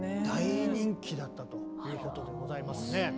大人気だったということでございますね。